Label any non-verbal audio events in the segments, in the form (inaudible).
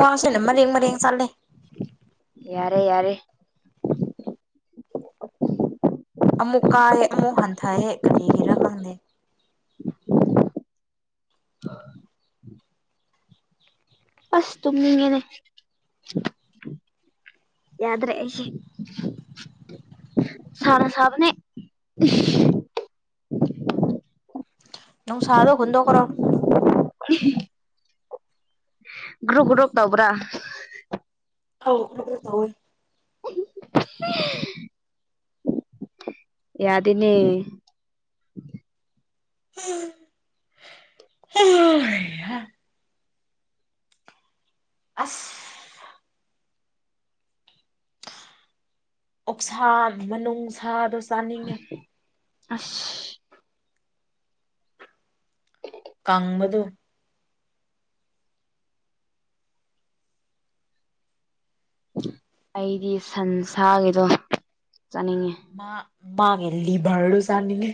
ꯋꯥꯕꯅ ꯃꯔꯦꯡ ꯃꯔꯦꯡ ꯆꯠꯂꯦ ꯌꯥꯔꯦ ꯌꯥꯔꯦ ꯑꯃꯨꯛ ꯀꯥꯏꯑꯦ ꯑꯃꯨꯛ ꯍꯟꯊꯌꯦ ꯀꯔꯤꯒꯤꯔ ꯈꯪꯗꯦ ꯑꯁ ꯇꯨꯝꯅꯤꯡꯉꯦꯅꯦ ꯌꯥꯗ꯭ꯔꯦ ꯑꯩꯁꯦ ꯁꯥꯅ ꯁꯥꯕꯅꯦ ꯅꯨꯡꯁꯥꯗꯨ ꯍꯨꯟꯗꯣꯛ ꯈ꯭ꯔꯣ (unintelligible) ꯒ꯭ꯔꯨꯞ ꯒ꯭ꯔꯨꯞ ꯇꯧꯕ꯭ꯔꯥ ꯑꯧ ꯒ꯭ꯔꯨꯞ ꯒ꯭ꯔꯨꯞ ꯇꯧꯏ ꯌꯥꯗꯦꯅꯦ (inaudible) ꯍꯩ ꯍꯥ ꯑꯁ ꯑꯣꯛꯁꯥ ꯃꯅꯨꯡꯁꯥꯗꯣ ꯆꯥꯅꯤꯡꯉꯦ꯫ ꯑꯁ꯫ ꯀꯪꯕꯗꯨ꯫ ꯑꯩꯗꯤ ꯁꯟꯁꯥꯒꯤꯗꯣ ꯆꯠꯅꯤꯡꯉꯦ꯫ ꯃꯥ ꯃꯥꯒꯤ ꯂꯤꯚꯔꯗꯨ ꯆꯥꯅꯤꯡꯉꯦ꯫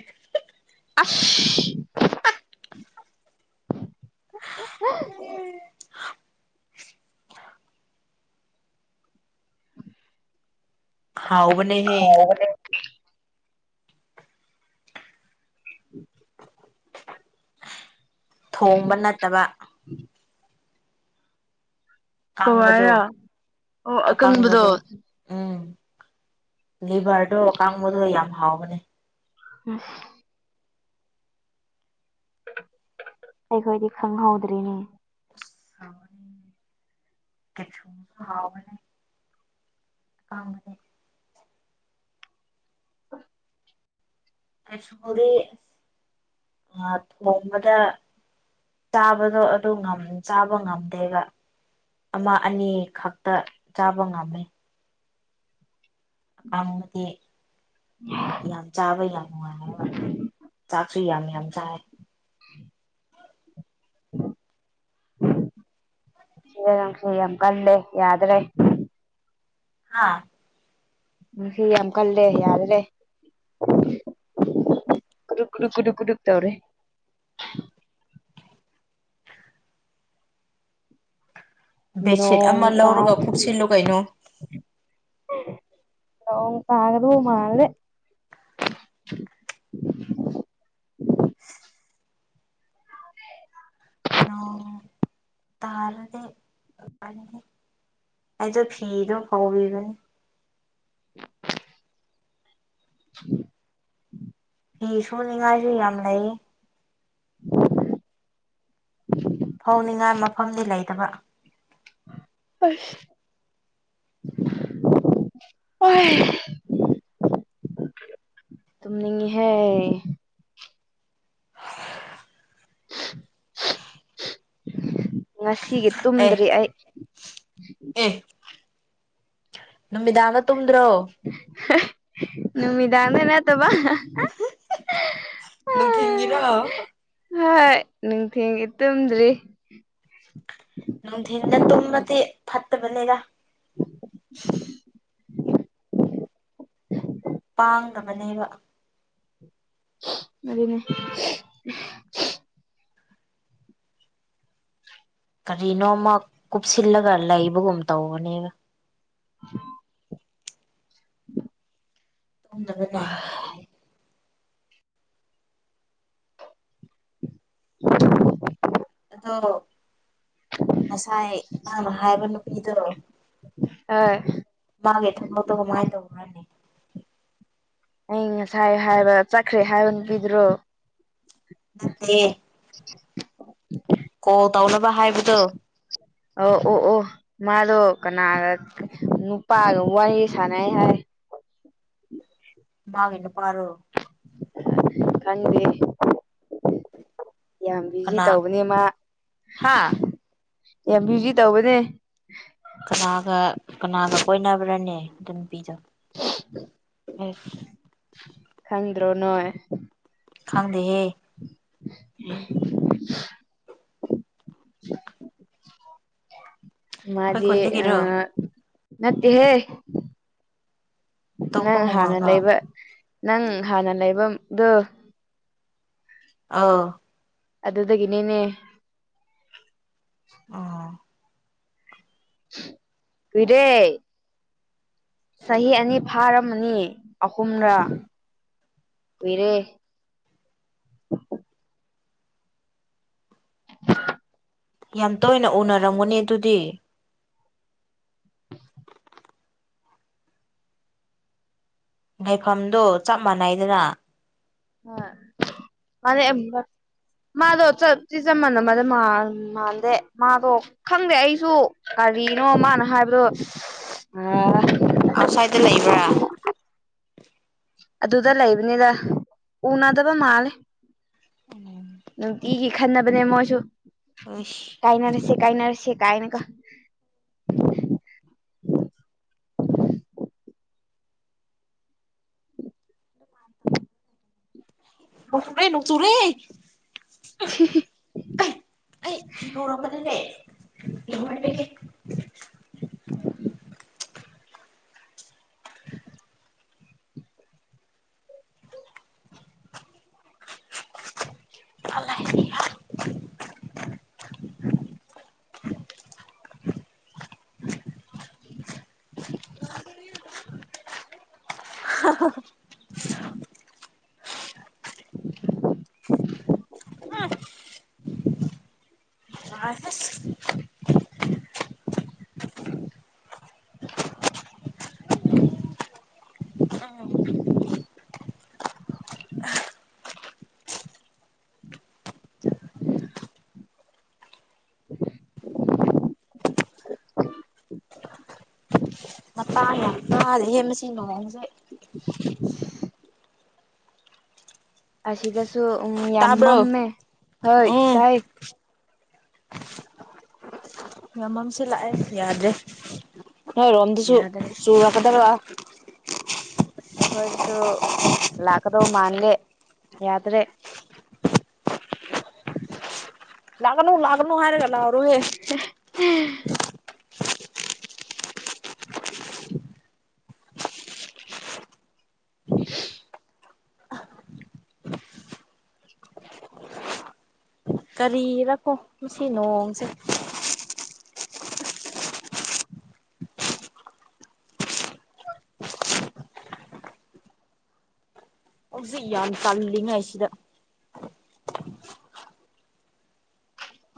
ꯑꯁ꯫ (unintelligible) ꯍꯥꯎꯕꯅꯦꯍꯦ꯫ (inaudible) ꯊꯣꯡꯕ ꯅꯠꯇꯕ꯫ (inaudible) ꯀꯥꯡꯕꯗꯣ ꯀꯋꯥꯔꯥ ꯑꯣ ꯑꯀꯪꯕꯗꯣ ꯑꯀꯥꯡꯕꯗꯣ꯫ ꯎꯝ ꯂꯤꯚꯔꯗꯣ ꯀꯥꯡꯕꯗꯣ ꯌꯥꯝ ꯍꯥꯎꯕꯅꯦ꯫ ꯎꯝ꯫ ꯑꯩꯈꯣꯏꯗꯤ ꯈꯪꯍꯧꯗ꯭ꯔꯤꯅꯦ꯫ ꯍꯥꯎꯕꯅꯤ ꯁꯀꯦꯞꯁꯨꯜ ꯍꯥꯎꯕꯅꯦ꯫ ꯇꯥꯡꯕꯅꯦ꯫ ꯀꯦꯞꯁꯨꯜꯗꯤ ꯑꯥ ꯊꯣꯡꯕꯗ ꯆꯥꯕꯗꯣ ꯑꯗꯨ ꯉꯝ ꯆꯥꯕ ꯉꯝꯗꯦꯕ꯫ ꯑꯃ ꯑꯅꯤ ꯈꯛꯇ ꯆꯥꯕ ꯉꯝꯃꯦ꯫ ꯉꯝꯕꯗꯤ ꯃꯗꯤ ꯌꯥꯝ ꯆꯥꯕ ꯌꯥꯝ ꯅꯨꯡꯉꯥꯏꯌꯦꯕ ꯆꯥꯛꯁꯨ ꯌꯥꯝ ꯌꯥꯝ ꯆꯥꯏ꯫ (inaudible) ꯍꯨꯔꯥꯟꯕ ꯅꯪꯁꯨ ꯌꯥꯝ ꯀꯜꯂꯦ ꯌꯥꯗ꯭ꯔꯦ꯫ ꯍꯥ꯫ ꯅꯨꯡꯁꯤꯠ ꯌꯥꯝ ꯀꯜꯂꯦ ꯌꯥꯗ꯭ꯔꯦ꯫ ꯀꯨꯗꯨꯛ ꯀꯨꯗꯨꯛ ꯀꯨꯗꯨꯛ ꯀꯨꯗꯨꯛ ꯇꯧꯔꯦ꯫ ꯕꯦꯠꯁꯤꯠ ꯑꯃ ꯅꯣꯡ ꯇꯥꯕꯒꯤ꯫ ꯅꯣꯡ ꯇꯥꯒꯗꯧ ꯃꯥꯜꯂꯦ꯫ (unintelligible) ꯅꯣꯡ꯫ ꯇꯥꯔꯗꯤ ꯅꯨꯉꯥꯢꯅꯤꯍꯦ ꯑꯩꯗꯣ ꯐꯤꯗꯣ ꯐꯥꯎꯔꯤꯕꯅꯤ꯫ (inaudible) (inaudible) ꯐꯤ ꯁꯨꯅꯤꯡꯉꯥꯏꯁꯨ ꯌꯥꯝ ꯂꯩ꯫ (inaudible) ꯐꯧꯅꯤꯡꯉꯥꯏ ꯃꯐꯝꯗꯤ ꯂꯩ ꯇꯕ꯫ (unintelligible) ꯇꯨꯝꯅꯤꯡꯉꯤꯍꯦ꯫ ꯉꯁꯤꯒꯤ ꯑꯦ ꯇꯨꯝꯗ꯭ꯔꯤ ꯑꯩ꯫ ꯑꯦ ꯅꯨꯃꯤꯗꯥꯡꯗ ꯇꯨꯝꯗ꯭ꯔꯣ? (unintelligible) ꯅꯨꯃꯤꯗꯥꯡꯗ ꯅꯠꯇꯕ ꯫ (unintelligible) (unintelligible) ꯅꯨꯡꯊꯤꯟꯒꯤꯔꯣ? ꯍꯣꯏ ꯅꯨꯡꯊꯤꯟꯒꯤ ꯇꯨꯝꯗ꯭ꯔꯤ꯫ ꯅꯨꯡꯊꯤꯟꯗ ꯇꯨꯝꯃꯗꯤ ꯐꯠꯇꯕꯅꯦꯗ (unintelligible) ꯄꯥꯡꯗꯕꯅꯦꯕ꯫ ꯑꯗꯨꯅꯦ (unintelligible) (unintelligible) ꯀꯔꯤꯅꯣ ꯑꯃ ꯀꯨꯞꯁꯤꯜꯂꯒ ꯂꯩꯕꯒꯨꯝ ꯇꯧꯕꯅꯦꯕ꯫ (unintelligible) ꯇꯞꯅ (unintelligible) (unintelligible) ꯑꯗꯣ ꯉꯁꯥꯏ ꯅꯪꯅ ꯍꯥꯏꯕ ꯅꯨꯄꯤꯗꯣ ꯑ ꯃꯥꯒꯤ ꯊꯕꯛꯇꯣ ꯀꯃꯥꯏꯟ ꯇꯧꯕ꯭ꯔꯅꯦ ꯑꯩ ꯉꯁꯥꯏ ꯍꯥꯏꯕ ꯆꯠꯈ꯭ꯔꯦ ꯍꯥꯏꯕ ꯅꯨꯄꯤꯗꯨꯔꯣ ꯅꯠꯇꯦ (unintelligible) ꯀꯣꯜ ꯇꯧꯅꯕ ꯍꯥꯏꯕꯗꯨ ꯑꯧ ꯑꯣ ꯑꯣ ꯃꯥꯗꯣ ꯀꯅꯥꯒ ꯅꯨꯄꯥꯒ ꯋꯥꯔꯤ ꯁꯥꯟꯅꯩ ꯍꯥꯏ ꯃꯥꯒꯤ ꯅꯨꯄꯥꯔꯣ ꯈꯪꯗꯦ ꯌꯥꯝ ꯕꯤꯖꯤ ꯀꯅꯥ ꯇꯧꯕꯅꯦ ꯃꯥ ꯍꯥ ꯌꯥꯝ ꯕ꯭ꯌꯨꯖꯤ ꯇꯧꯕꯅꯦ ꯀꯅꯥꯒ ꯀꯅꯥꯒ ꯀꯣꯏꯅꯕ꯭ꯔꯅꯦ ꯑꯗꯨ ꯅꯨꯄꯤꯗꯣ (unintelligible) ꯈꯪꯗ꯭ꯔꯣ ꯅꯣꯏ ꯈꯪꯗꯦꯍꯦ (unintelligible) (unintelligible) ꯑꯩꯈꯣꯏ ꯃꯥꯗꯤ ꯑ ꯈꯨꯟꯗꯒꯤꯔꯣ ꯅꯠꯇꯦ ꯍꯦ ꯑꯇꯣꯞꯄ ꯅꯪ ꯍꯥꯟꯅ ꯈꯨꯡꯒꯪꯔꯣ ꯂꯩꯕ ꯅꯪ ꯍꯥꯟꯅ ꯂꯩꯕꯝꯗꯣ ꯑꯧ ꯑꯗꯨꯗꯒꯤꯅꯤꯅꯦ ꯑꯣ ꯀꯨꯏꯔꯦ ꯆꯍꯤ ꯑꯅꯤ ꯐꯥꯔꯝꯃꯅꯤ ꯑꯍꯨꯝꯔꯥ ꯎꯝ ꯀꯨꯏꯔꯦ ꯌꯥꯝ ꯇꯣꯏꯅ ꯎꯅꯔꯝꯒꯅꯤ ꯑꯗꯨꯗꯤ ꯂꯩꯐꯝꯗꯣ ꯆꯞ ꯃꯥꯟꯅꯩꯌꯦꯗꯅ (unintelligible) ꯃꯥꯅꯦ (unintelligible) ꯃꯥꯗꯣ ꯆꯞ ꯆ ꯃꯟꯅꯕꯗꯤ (unintelligible) ꯃꯥꯟꯃꯥꯟꯗꯦ ꯃꯥꯗꯣ ꯈꯪꯗꯦ ꯑꯩꯁꯨ ꯀꯔꯤꯅꯣ ꯃꯥꯅ ꯍꯥꯏꯕꯗꯣ ꯑꯥꯎꯁꯥꯏꯗꯠꯇ ꯂꯩꯕ꯭ꯔꯥ ꯑꯗꯨꯗ ꯂꯩꯕꯅꯤꯗ ꯎꯅꯗꯕ ꯃꯥꯜꯂꯦ ꯅꯨꯡꯇꯤꯒꯤ ꯈꯠꯅꯕꯅꯦ ꯃꯣꯏꯁꯨ ꯎꯁ ꯀꯥꯏꯅꯔꯁꯦ ꯀꯥꯏꯅꯔꯁꯦ ꯀꯥꯏꯅꯀ (unintelligible) ꯅꯣꯡ ꯆꯨꯔꯦ ꯅꯣꯡ ꯆꯨꯔꯦ ꯑꯩ ꯐꯤ ꯐꯧꯔꯝꯕꯅꯤꯅꯦ ꯂꯣꯏꯔꯦ (unintelligible) (unintelligible) (unintelligible) (unintelligible) (unintelligible) (inaudible) (unintelligible) ꯁꯥꯏꯍꯦ (unintelligible) (unintelligible) (unintelligible) ꯃꯇꯥꯡ ꯌꯥꯝꯆꯥꯗ‌ꯦꯍ‌ꯦ ꯃꯁꯤ ꯅꫭꯡꯁ‌ꯦ (unintelligible) ꯑꯁꯤꯗꯁꯨ ꯎꯝ ꯌꯥꯝ ꯇꯥꯕ꯭ꯔꯣ ꯃꯝꯃꯦ ꯍꯣꯏ ꯎꯝ ꯇꯥꯏ ꯌꯥꯝꯃꯝꯁꯤꯂꯥꯛꯑꯦ ꯌꯥꯗ꯭ꯔꯦ ꯅꯣꯏꯔꯣꯝꯗꯁꯨ ꯌꯥꯗ꯭ꯔꯦ ꯆꯨꯔꯛꯀꯗꯕ ꯑꯩꯈꯣꯏꯗꯁꯨ ꯂꯥꯛꯀꯗꯧ ꯃꯜꯂꯦ ꯌꯥꯗ꯭ꯔꯦ ꯂꯥꯛꯒꯅꯨ ꯂꯥꯛꯒꯅꯨ ꯍꯥꯏꯔꯒ ꯂꯥꯎꯔꫭꯍ‌ꯦ (unintelligible) ꯀꯔꯤꯔꯀꯣ ꯉꯁꯤ ꯅꯣꯡꯁꯦ ꯍꯧꯖꯤꯛ ꯌꯥꯝ ꯇꯜꯂꯤꯉꯩꯁꯤꯗ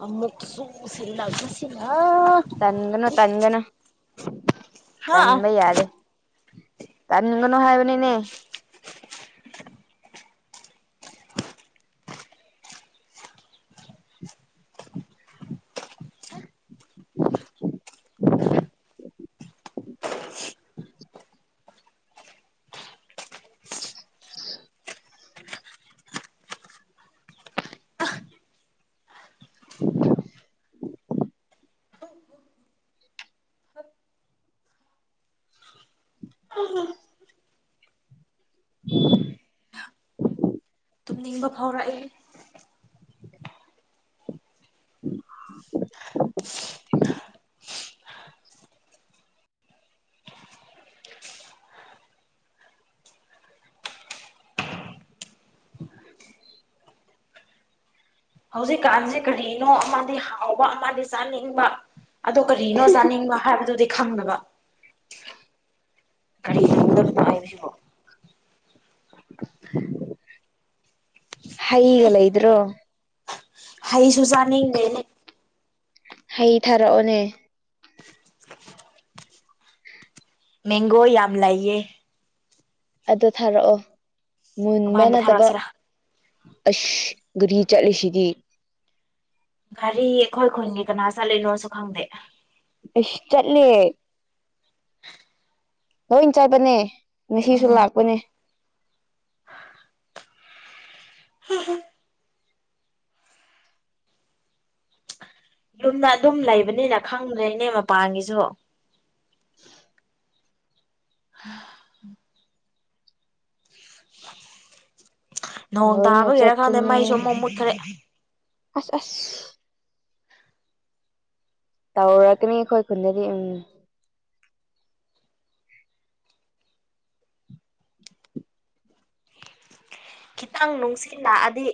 ꯑꯃꯨꯛꯀꯥ ꯆꯨꯁꯤꯜꯂꯛ ꯄꯁꯤꯅ ꯇꯟꯒꯅꯣ ꯇꯟꯒꯅꯣ ꯍꯥ ꯇꯟꯕ ꯌꯥꯗ‌ꯦ ꯇꯥꯟꯒꯅꯨ ꯍꯥꯏꯕꯅꯤꯅꯦ (unintelligible) (unintelligible) (unintelligible) (unintelligible) (unintelligible) (unintelligible) ꯇꯨꯝꯅꯤꯡꯕ ꯐꯥꯎꯔꯛꯑ‌ꯦ (unintelligible) ꯍꯧꯖꯤꯛꯀꯥꯟꯁꯤ ꯀꯔꯤꯅꯣ ꯑꯃꯗꯤ ꯍꯥꯎꯕ ꯑꯃꯗꯤ ꯆꯥꯅꯤꯡꯕ ꯑꯗꯣ ꯀꯔꯤꯅꯣ ꯆꯥꯅꯤꯡꯕ ꯍꯥꯏꯕꯗꯨꯗꯤ ꯈꯪꯗꯕ ꯀꯔꯤ ꯇꯧꯒꯗꯕꯅꯣ ꯍꯥꯏꯕꯁꯤꯕꯣ (unintelligible) ꯍꯩꯒ ꯂꯩꯗ꯭ꯔꯣ ꯍꯩꯁꯨ ꯆꯥꯅꯤꯡꯗꯦꯅꯦ ꯍꯩ ꯊꯥꯔꯛꯑꯣꯅꯦ ꯃꯦꯡꯒꯣ ꯌꯥꯝ ꯂꯩꯌꯦ ꯑꯗꯨ ꯊꯥꯔꯛꯑꯣ ꯃꯨꯟꯕ ꯀꯃꯥꯏꯅ ꯅꯠꯇꯕ ꯊꯥꯔꯛꯁꯤꯔꯥ ꯑꯁ ꯒꯥꯔꯤ ꯆꯠꯂꯤꯁꯤꯗꯤ ꯒꯥꯔꯤ ꯑꯩꯈꯣꯏ ꯈꯨꯟꯒꯤ ꯀꯅꯥ ꯆꯠꯂꯤꯅꯣꯁꯨ ꯈꯪꯗꯦ ꯏꯁ ꯆꯠꯂ‌ꯦ ꯂꯣꯏ ꯆꯠꯄꯅꯦ ꯉꯁꯤꯁꯨ ꯂꯥꯛꯄꯅꯦ ꯍ ꯍ (unintelligible) ꯌꯨꯝꯗ ꯑꯗꯨꯝ ꯂꯩꯕꯅꯤꯅ ꯈꯪꯗ꯭ꯔꯦꯅꯦ ꯃꯄꯥꯟꯒꯤꯁꯨ (inaudible) ꯍꯥ ꯎꯝ (inaudible) ꯅꯣꯡ ꯂꯣꯏꯅ ꯇꯥꯕꯒꯤꯔ ꯈꯪꯗꯦ ꯆꯠꯄꯅꯦ ꯃꯩꯁꯨ ꯑꯃꯨꯛ ꯃꯨꯠꯈ꯭ꯔꯦ ꯑꯁ ꯑꯁ ꯇꯧꯔꯛꯀꯅꯤ ꯑꯩꯈꯣꯏ ꯈꯨꯟꯗꯗꯤ ꯎꯝ ꯈꯤꯇꯪ ꯅꯨꯡꯁꯤꯠ ꯂꯛꯑꯗꯤ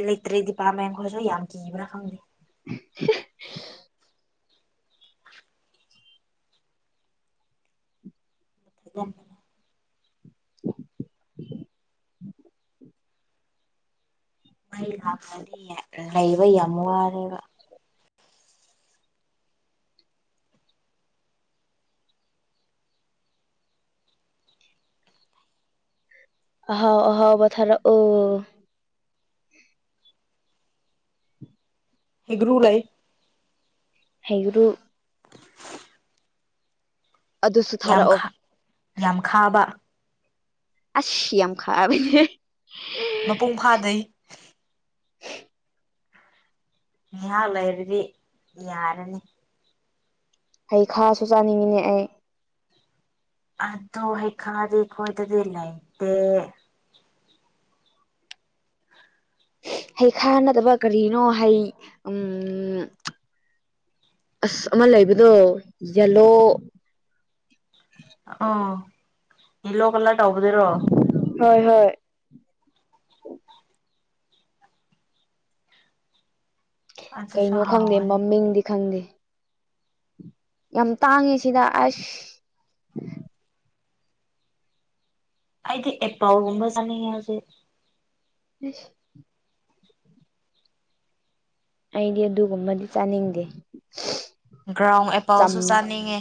ꯏꯂꯦꯛꯇ꯭ꯔꯤꯛ ꯗꯤꯄꯥꯔꯠꯃꯦꯟ ꯈꫭꯏꯁꯨ ꯌꯥꯝ ꯀꯤꯕ꯭ꯔꯥ ꯈꯪꯗꯦ (unintelligible) ꯑꯗꯨꯝ ꯃꯩ ꯂꯥꯛꯄꯗꯤ ꯌꯥꯢ ꯂꯩꯕ ꯌꯥꯝ ꯋꯥꯔꯦꯕ ꯑꯍꯥꯎ ꯑꯍꯥꯎꯕ ꯊꯥꯔꯛ ꯑꯣ ꯍꯩꯒ꯭ꯔꯨ ꯂꯩ ꯍꯩꯒ꯭ꯔꯨ ꯑꯗꯨꯁꯨ ꯊꯥꯔꯛꯑꯣ ꯌꯥꯝꯈꯥ ꯌꯥꯝ ꯈꯥꯕ ꯑꯁ ꯌꯥꯝ ꯈꯥꯕꯅꯦ ꯃꯄꯨꯡ ꯐꯥꯗ꯭ꯔꯤ ꯉꯍꯥꯛ ꯂꯩꯔꯗꯤ ꯌꯥꯔꯅꯤ ꯍꯩ ꯈꯥꯁꯨ ꯆꯥꯅꯤꯡꯉꯤꯅꯦ ꯑꯩ ꯑꯗꯨ ꯍꯩꯈꯥꯗꯤ ꯑꯩꯈꯣꯏꯗꯗꯤ ꯂꯩꯇꯦ ꯍꯩ ꯈꯥ ꯅꯠꯗꯕ ꯀꯔꯤꯅꯣ ꯍꯩ ꯎꯝ ꯑꯁ ꯑꯃ ꯂꯩꯕꯗꯣ ꯌꯦꯂꯣ ꯑꯣ ꯌꯦꯂꯣ ꯀꯂꯔ ꯇꯧꯕꯗꯨꯔꯣ ꯍꯣꯏ ꯍꯣꯏ ꯑꯗꯨꯁꯨ ꯀꯩꯅꯣ ꯈꯪꯗꯦ ꯍꯥꯎꯒꯅꯤ ꯃꯃꯤꯡꯗꯤ ꯈꯪꯗꯦ ꯌꯥꯝ ꯇꯥꯡꯉꯤ ꯁꯤꯗ ꯑꯁ ꯑꯩꯗꯤ ꯑꯦꯄꯜ ꯒꯨꯝꯕ ꯆꯥꯅꯤꯡꯉꯦ ꯍꯧꯖꯤꯛ ꯢꯁ ꯑꯩꯗꯤ ꯑꯗꯨꯒꯨꯝꯕꯗꯤ ꯆꯥꯅꯤꯡꯗꯦ ꯒ꯭ꯔꯥꯎꯟ ꯆꯝ ꯑꯦꯄꯜꯁꯨ ꯆꯥꯅꯤꯡꯉꯦ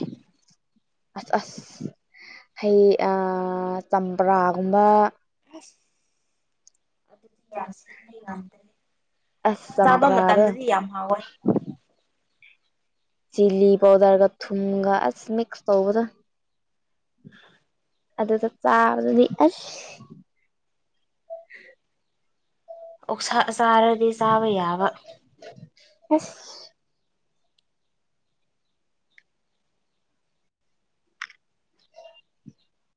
ꯑꯁ ꯑꯁ ꯍꯩ ꯆꯝꯄ꯭ꯔꯥꯒꯨꯝꯕ ꯑꯁ ꯑꯗꯨꯗꯤ (inaudible) (inaudible) (inaudible) ꯑꯁ ꯑꯣꯛꯁꯥ ꯆꯥꯕ ꯆꯝꯄ꯭ꯔꯥꯗꯣ ꯃꯇꯝꯗꯗꯤ ꯌꯥꯝ ꯍꯥꯎꯋꯦ ꯆꯤꯂꯤ ꯄꯥꯎꯗꯔꯒ ꯊꯨꯝꯒ ꯑꯁ ꯃꯤꯛꯁ ꯇꯧꯕꯗꯣ ꯑꯗꯨꯗ ꯆꯥꯕꯗꯨꯗꯤ ꯑꯁ ꯑꯣꯛꯁꯥ ꯆꯥꯔꯗꯤ ꯆꯥꯕ ꯌꯥꯕ ꯑꯁ